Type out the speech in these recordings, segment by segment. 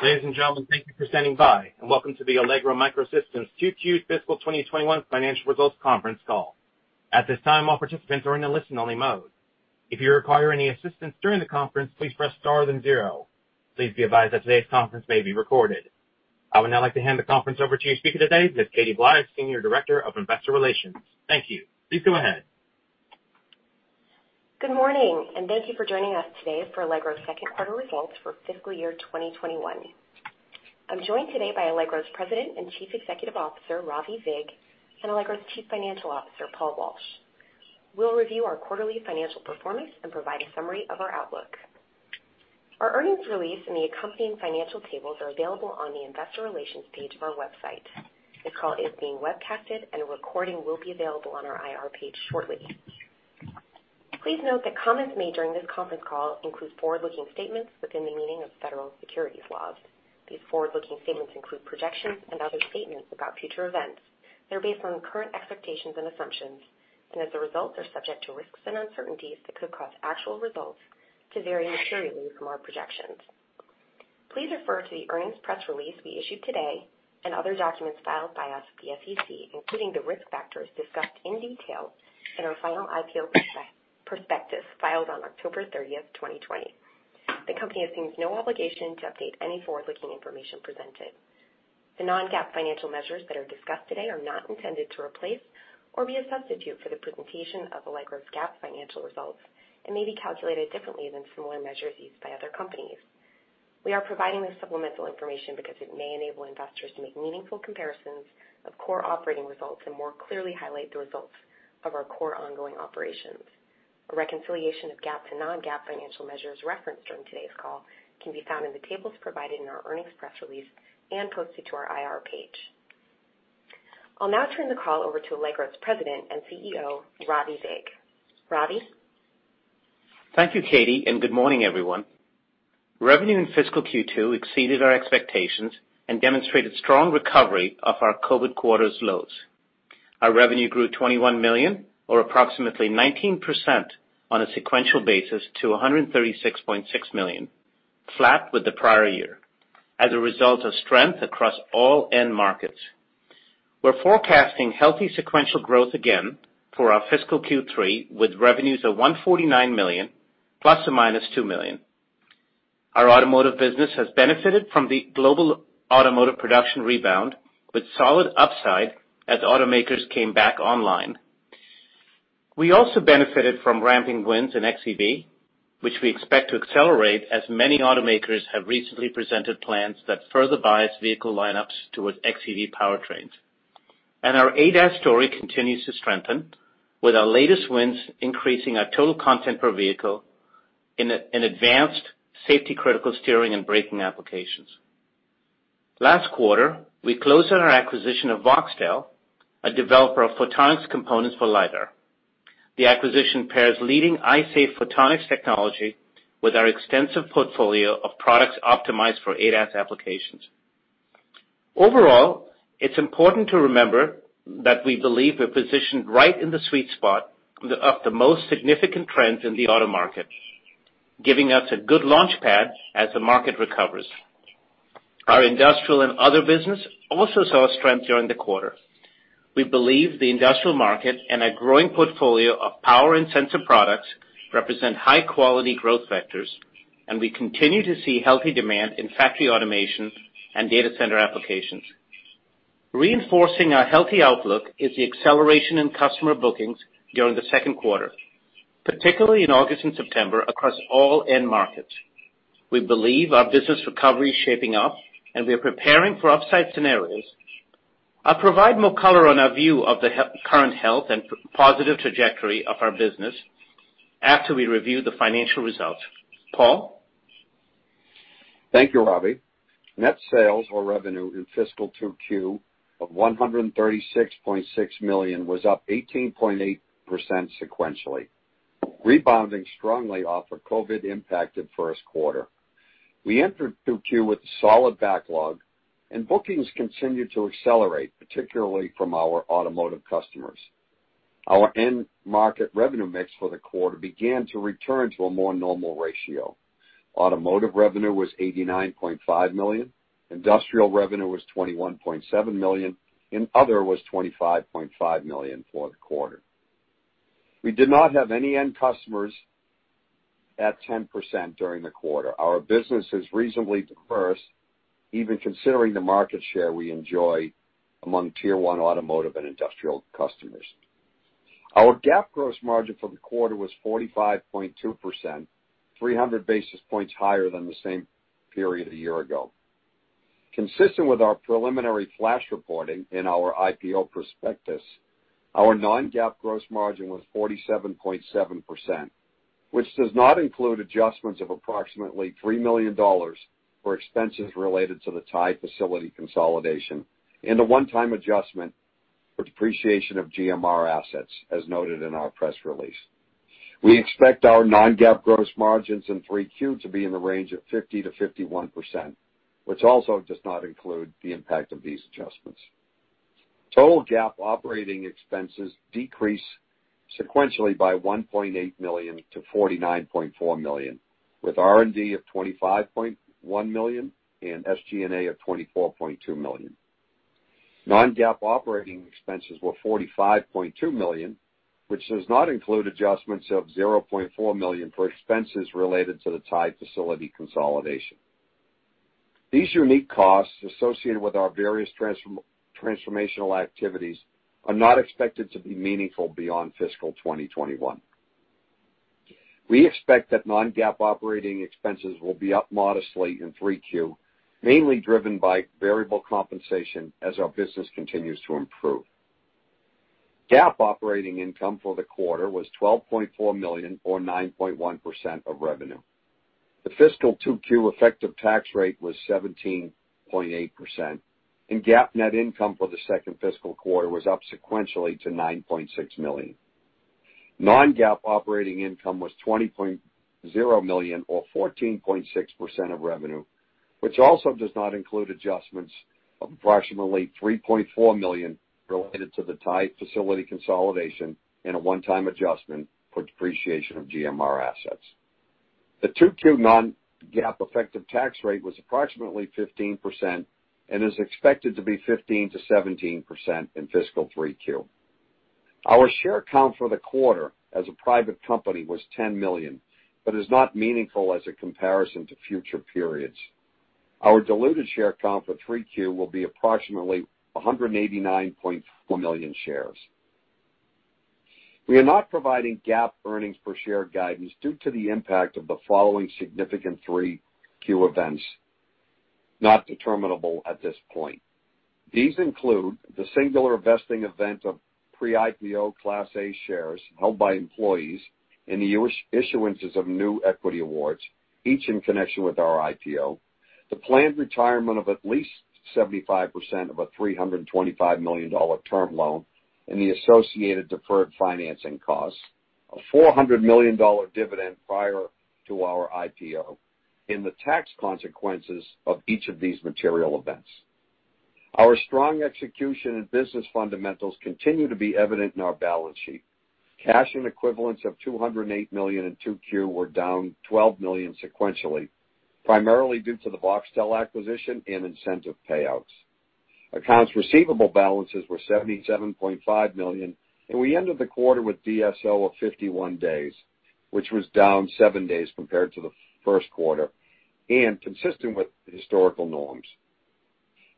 Ladies and gentlemen, thank you for standing by. Welcome to the Allegro MicroSystems' Q2 fiscal 2021 financial results conference call. At this time, all participants are in a listen-only mode. I would now like to hand the conference over to your speaker today, Ms. Katie Blye, Senior Director of Investor Relations. Thank you. Please go ahead. Good morning, and thank you for joining us today for Allegro's Q2 results for fiscal year 2021. I'm joined today by Allegro's President and Chief Executive Officer, Ravi Vig, and Allegro's Chief Financial Officer, Paul Walsh. We'll review our quarterly financial performance and provide a summary of our outlook. Our earnings release and the accompanying financial tables are available on the investor relations page of our website. This call is being webcasted. A recording will be available on our IR page shortly. Please note that comments made during this conference call include forward-looking statements within the meaning of federal securities laws. These forward-looking statements include projections and other statements about future events. They're based on current expectations and assumptions, and as a result, are subject to risks and uncertainties that could cause actual results to vary materially from our projections. Please refer to the earnings press release we issued today and other documents filed by us with the SEC, including the risk factors discussed in detail in our final IPO prospectus filed on October 30, 2020. The company assumes no obligation to update any forward-looking information presented. The non-GAAP financial measures that are discussed today are not intended to replace or be a substitute for the presentation of Allegro's GAAP financial results and may be calculated differently than similar measures used by other companies. We are providing this supplemental information because it may enable investors to make meaningful comparisons of core operating results and more clearly highlight the results of our core ongoing operations. A reconciliation of GAAP to non-GAAP financial measures referenced during today's call can be found in the tables provided in our earnings press release and posted to our IR page. I'll now turn the call over to Allegro's President and CEO, Ravi Vig. Ravi? Thank you, Katie, and good morning, everyone. Revenue in fiscal Q2 exceeded our expectations and demonstrated strong recovery of our COVID-19 quarter's lows. Our revenue grew $21 million or approximately 19% on a sequential basis to $136.6 million, flat with the prior year as a result of strength across all end markets. We're forecasting healthy sequential growth again for our fiscal Q3, with revenues of $149 million ±$2 million. Our automotive business has benefited from the global automotive production rebound with solid upside as automakers came back online. We also benefited from ramping wins in xEV, which we expect to accelerate as many automakers have recently presented plans that further bias vehicle lineups towards xEV powertrains. Our ADAS story continues to strengthen with our latest wins increasing our total content per vehicle in advanced safety critical steering and braking applications. Last quarter, we closed on our acquisition of Voxtel, a developer of photonics components for LiDAR. The acquisition pairs leading eye safe photonics technology with our extensive portfolio of products optimized for ADAS applications. Overall, it's important to remember that we believe we're positioned right in the sweet spot of the most significant trends in the auto market, giving us a good launch pad as the market recovers. Our industrial and other business also saw strength during the quarter. We believe the industrial market and a growing portfolio of power and sensor products represent high-quality growth vectors, and we continue to see healthy demand in factory automation and data center applications. Reinforcing our healthy outlook is the acceleration in customer bookings during the Q2, particularly in August and September across all end markets. We believe our business recovery is shaping up, and we are preparing for upside scenarios. I'll provide more color on our view of the current health and positive trajectory of our business after we review the financial results. Paul? Thank you, Ravi. Net sales or revenue in fiscal Q2 of $136.6 million was up 18.8% sequentially, rebounding strongly off a COVID-impacted first quarter. We entered Q2 with a solid backlog, and bookings continued to accelerate, particularly from our automotive customers. Our end market revenue mix for the quarter began to return to a more normal ratio. Automotive revenue was $89.5 million, industrial revenue was $21.7 million, and other was $25.5 million for the quarter. We did not have any end customers at 10% during the quarter. Our business is reasonably diverse, even considering the market share we enjoy among tier 1 automotive and industrial customers. Our GAAP gross margin for the quarter was 45.2%, 300 basis points higher than the same period a year ago. Consistent with our preliminary flash reporting in our IPO prospectus, our non-GAAP gross margin was 47.7%, which does not include adjustments of approximately $3 million for expenses related to the Thai facility consolidation and a one-time adjustment for depreciation of GMR assets, as noted in our press release. We expect our non-GAAP gross margins in Q3 to be in the range of 50%-51%, which also does not include the impact of these adjustments. Total GAAP operating expenses decreased sequentially by $1.8 million to $49.4 million, with R&D of $25.1 million and SG&A of $24.2 million. Non-GAAP operating expenses were $45.2 million, which does not include adjustments of $0.4 million for expenses related to the Thai facility consolidation. These unique costs associated with our various transformational activities are not expected to be meaningful beyond fiscal 2021. We expect that non-GAAP operating expenses will be up modestly in Q3, mainly driven by variable compensation as our business continues to improve. GAAP operating income for the quarter was $12.4 million or 9.1% of revenue. The fiscal Q2 effective tax rate was 17.8%, and GAAP net income for the second fiscal quarter was up sequentially to $9.6 million. Non-GAAP operating income was $20.0 million or 14.6% of revenue, which also does not include adjustments of approximately $3.4 million related to the Thai facility consolidation and a one-time adjustment for depreciation of GMR assets. The Q2 non-GAAP effective tax rate was approximately 15% and is expected to be 15%-17% in fiscal Q3. Our share count for the quarter as a private company was 10 million, but is not meaningful as a comparison to future periods. Our diluted share count for Q3 will be approximately 189.4 million shares. We are not providing GAAP earnings per share guidance due to the impact of the following significant Q3 events, not determinable at this point. These include the singular vesting event of pre-IPO Class A shares held by employees in the issuances of new equity awards, each in connection with our IPO. The planned retirement of at least 75% of a $325 million term loan and the associated deferred financing costs. A $400 million dividend prior to our IPO. The tax consequences of each of these material events. Our strong execution and business fundamentals continue to be evident in our balance sheet. Cash and equivalents of $208 million in Q2 were down $12 million sequentially, primarily due to the Voxtel acquisition and incentive payouts. Accounts receivable balances were $77.5 million. We ended the quarter with DSO of 51 days, which was down seven days compared to the Q1 and consistent with historical norms.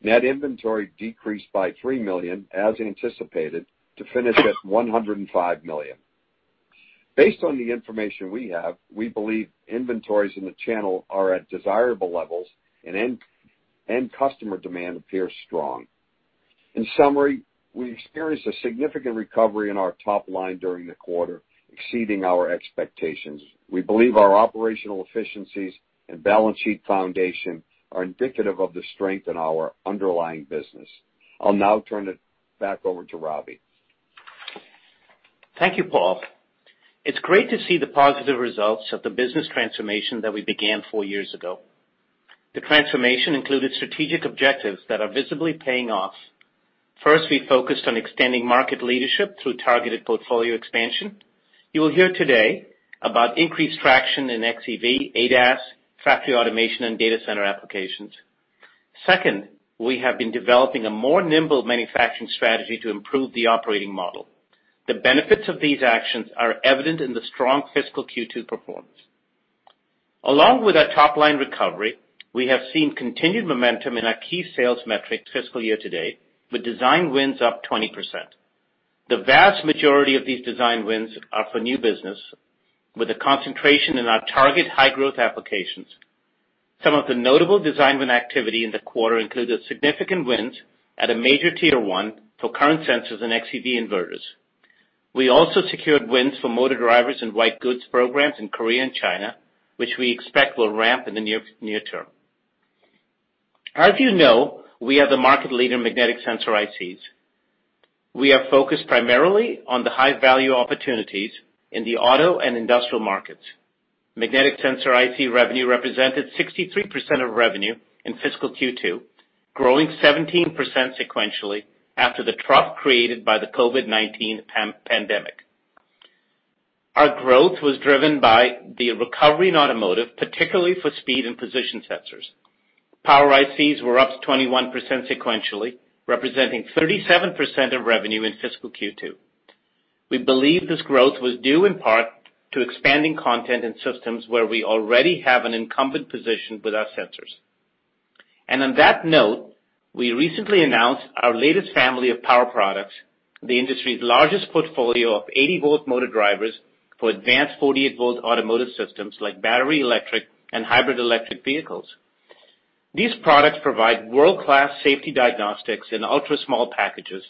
Net inventory decreased by $3 million, as anticipated, to finish at $105 million. Based on the information we have, we believe inventories in the channel are at desirable levels and end customer demand appears strong. In summary, we experienced a significant recovery in our top line during the quarter, exceeding our expectations. We believe our operational efficiencies and balance sheet foundation are indicative of the strength in our underlying business. I'll now turn it back over to Ravi. Thank you, Paul. It's great to see the positive results of the business transformation that we began four years ago. The transformation included strategic objectives that are visibly paying off. First, we focused on extending market leadership through targeted portfolio expansion. You will hear today about increased traction in xEV, ADAS, factory automation, and data center applications. Second, we have been developing a more nimble manufacturing strategy to improve the operating model. The benefits of these actions are evident in the strong fiscal Q2 performance. Along with our top-line recovery, we have seen continued momentum in our key sales metrics fiscal year-to-date, with design wins up 20%. The vast majority of these design wins are for new business, with a concentration in our target high-growth applications. Some of the notable design win activity in the quarter included significant wins at a major tier 1 for current sensors and xEV inverters. We also secured wins for motor drivers and white goods programs in Korea and China, which we expect will ramp in the near term. As you know, we are the market leader in magnetic sensor ICs. We are focused primarily on the high-value opportunities in the auto and industrial markets. Magnetic sensor IC revenue represented 63% of revenue in fiscal Q2, growing 17% sequentially after the trough created by the COVID-19 pandemic. Our growth was driven by the recovery in automotive, particularly for speed and position sensors. power ICs were up 21% sequentially, representing 37% of revenue in fiscal Q2. We believe this growth was due in part to expanding content in systems where we already have an incumbent position with our sensors. On that note, we recently announced our latest family of power products, the industry's largest portfolio of 80 V motor drivers for advanced 48 V automotive systems like battery electric and hybrid electric vehicles. These products provide world-class safety diagnostics in ultra-small packages,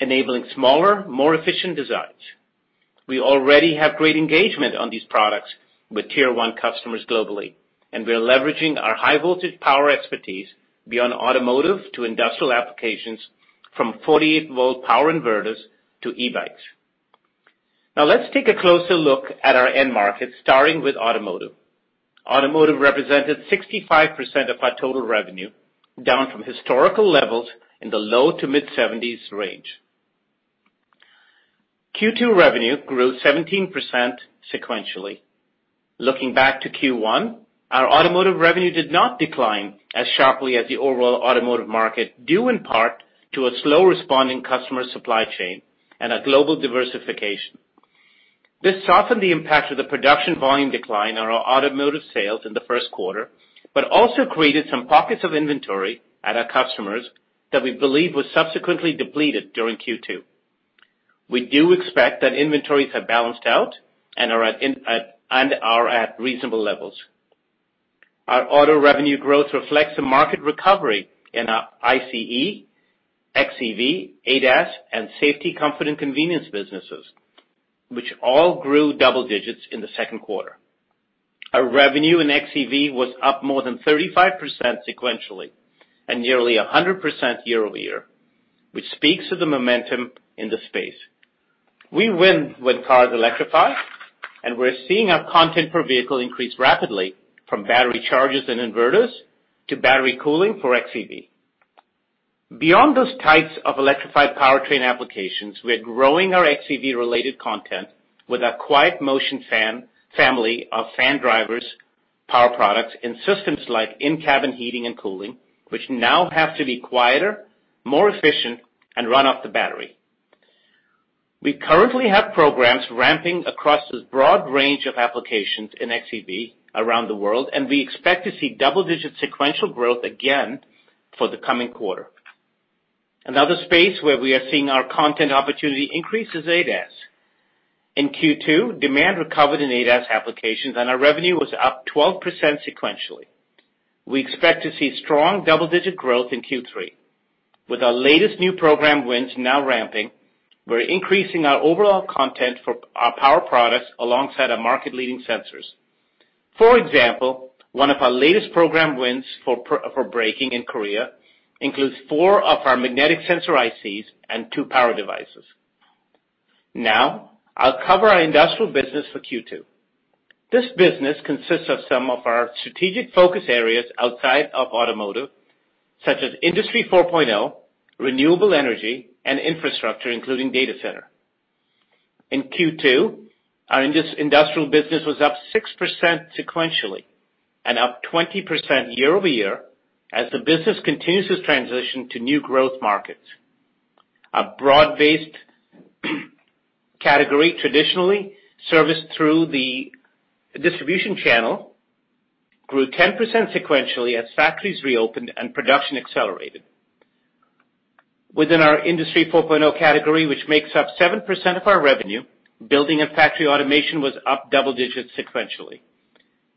enabling smaller, more efficient designs. We already have great engagement on these products with tier one customers globally. We are leveraging our high voltage power expertise beyond automotive to industrial applications from 48 V power inverters to e-bikes. Let's take a closer look at our end market, starting with automotive. Automotive represented 65% of our total revenue, down from historical levels in the low to mid-70s range. Q2 revenue grew 17% sequentially. Looking back to Q1, our automotive revenue did not decline as sharply as the overall automotive market, due in part to a slow-responding customer supply chain and a global diversification. This softened the impact of the production volume decline on our automotive sales in the Q1, also created some pockets of inventory at our customers that we believe were subsequently depleted during Q2. We do expect that inventories have balanced out and are at reasonable levels. Our auto revenue growth reflects a market recovery in our ICE, xEV, ADAS, and safety, comfort, and convenience businesses, which all grew double digits in the Q2. Our revenue in xEV was up more than 35% sequentially and nearly 100% year-over-year, which speaks to the momentum in the space. We win when cars electrify, we're seeing our content per vehicle increase rapidly from battery chargers and inverters to battery cooling for xEV. Beyond those types of electrified powertrain applications, we're growing our xEV-related content with our QuietMotion family of fan drivers, power products, and systems like in-cabin heating and cooling, which now have to be quieter, more efficient, and run off the battery. We currently have programs ramping across this broad range of applications in xEV around the world, and we expect to see double-digit sequential growth again for the coming quarter. Another space where we are seeing our content opportunity increase is ADAS. In Q2, demand recovered in ADAS applications, and our revenue was up 12% sequentially. We expect to see strong double-digit growth in Q3. With our latest new program wins now ramping, we're increasing our overall content for our power products alongside our market-leading sensors. For example, one of our latest program wins for braking in Korea includes four of our magnetic sensor ICs and two power devices. I'll cover our industrial business for Q2. This business consists of some of our strategic focus areas outside of automotive, such as Industry 4.0, renewable energy, and infrastructure, including data center. In Q2, our industrial business was up 6% sequentially and up 20% year-over-year as the business continues its transition to new growth markets. A broad-based category traditionally serviced through the distribution channel grew 10% sequentially as factories reopened and production accelerated. Within our Industry 4.0 category, which makes up 7% of our revenue, building and factory automation was up double digits sequentially.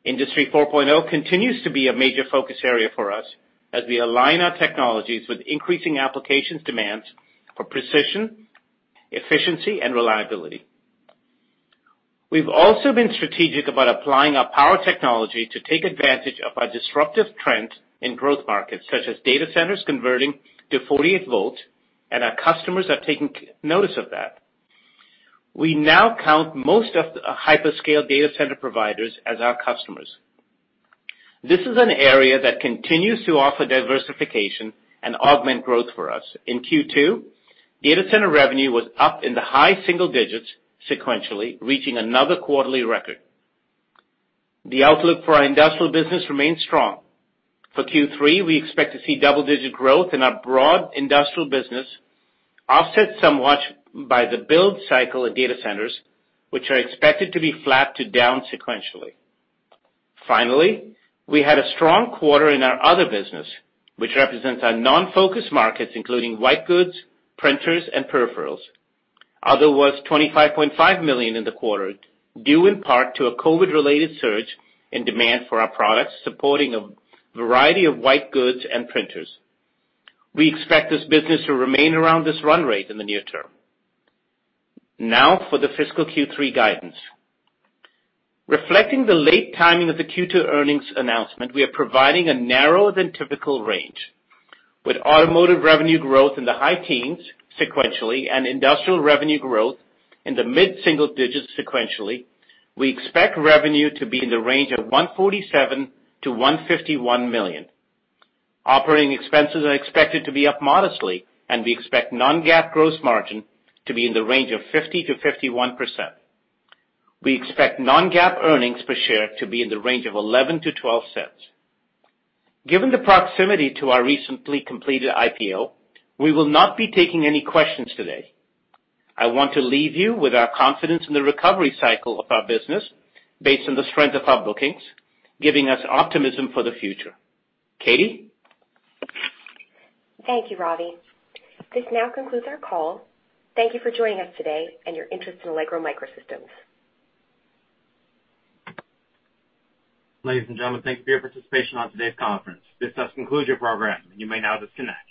Industry 4.0 continues to be a major focus area for us as we align our technologies with increasing applications demands for precision, efficiency, and reliability. We've also been strategic about applying our power technology to take advantage of disruptive trends in growth markets, such as data centers converting to 48 V, and our customers are taking notice of that. We now count most of the hyperscale data center providers as our customers. This is an area that continues to offer diversification and augment growth for us. In Q2, data center revenue was up in the high single digits sequentially, reaching another quarterly record. The outlook for our industrial business remains strong. For Q3, we expect to see double-digit growth in our broad industrial business, offset somewhat by the build cycle in data centers, which are expected to be flat to down sequentially. Finally, we had a strong quarter in our other business, which represents our non-focus markets, including white goods, printers, and peripherals. Other was $25.5 million in the quarter, due in part to a COVID-related surge in demand for our products, supporting a variety of white goods and printers. We expect this business to remain around this run rate in the near term. For the fiscal Q3 guidance. Reflecting the late timing of the Q2 earnings announcement, we are providing a narrower-than-typical range. With automotive revenue growth in the high teens sequentially and industrial revenue growth in the mid-single digits sequentially, we expect revenue to be in the range of $147 million-$151 million. Operating expenses are expected to be up modestly, and we expect non-GAAP gross margin to be in the range of 50%-51%. We expect non-GAAP earnings per share to be in the range of $0.11-$0.12. Given the proximity to our recently completed IPO, we will not be taking any questions today. I want to leave you with our confidence in the recovery cycle of our business based on the strength of our bookings, giving us optimism for the future. Katie? Thank you, Ravi. This now concludes our call. Thank you for joining us today and your interest in Allegro MicroSystems. Ladies and gentlemen, thank you for your participation on today's conference. This does conclude your program. You may now disconnect